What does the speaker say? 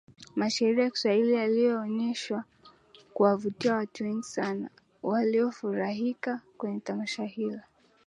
Mashairi ya Kiswahili yalionesha kuwavutia watu wengi sana waliofurika kwenye tamasha hilo